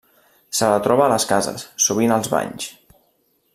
Se la troba a les cases, sovint als banys.